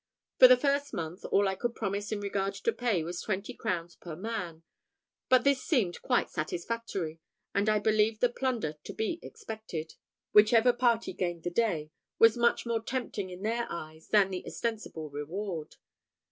For the first month, all I could promise in regard to pay was twenty crowns per man; but this seemed quite satisfactory; and I believe the plunder to be expected, whichever party gained the day, was much more tempting in their eyes than the ostensible reward.